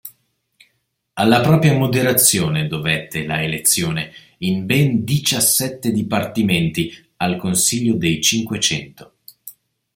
Alla propria moderazione dovette la elezione, in ben diciassette dipartimenti, al Consiglio dei cinquecento.